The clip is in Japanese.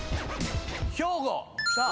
兵庫！